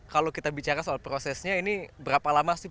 kalau kita bicara soal prosesnya ini berapa lama sih